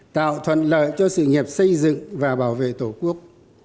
tạo thuận lợi cho sự nghiệp xây dựng và bảo vệ tổ quốc